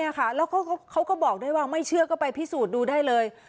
แล้วเขาก็บอกด้วยว่าไม่เชื่อก็ไปพิสูจน์ดูได้เลย